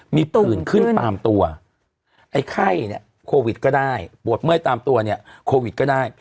มีผื่นขึ้นตามตัวไอ้ไข้เนี่ยโควิดก็ได้ปวดเมื่อยตามตัวเนี่ยโควิดก็ได้